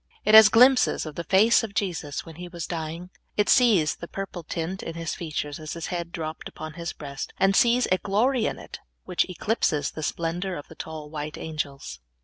It has glimpses of the face of Jesus when He was dying. It sees the purple tint in His features as His head dropped upon His breast, and sees a glory in it which eclipses the splendor of the tall white angels.